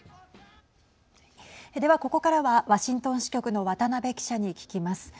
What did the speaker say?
では、ここからはワシントン支局の渡辺記者に聞きます。